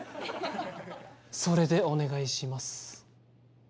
それでお願いします。